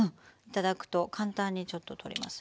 頂くと簡単にちょっと取れます。